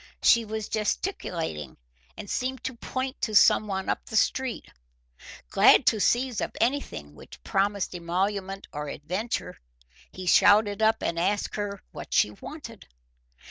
She was gesticulating, and seemed to point to someone up the street. Glad to seize at anything which promised emolument or adventure, he shouted up and asked her what she wanted.